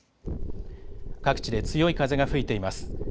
各地で強い風が吹いています。